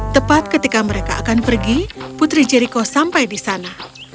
tepat ketika mereka akan pergi putri jeriko sampai di sana